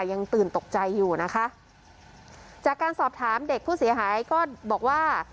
ยังตื่นตกใจอยู่นะคะจากการสอบถามเด็กผู้เสียหายก็บอกว่า